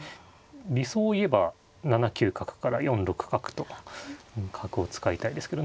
理想を言えば７九角から４六角と角を使いたいですけど。